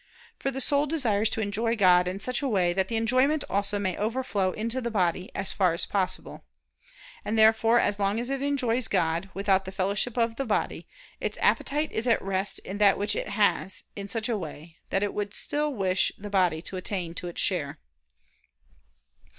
For the soul desires to enjoy God in such a way that the enjoyment also may overflow into the body, as far as possible. And therefore, as long as it enjoys God, without the fellowship of the body, its appetite is at rest in that which it has, in such a way, that it would still wish the body to attain to its share.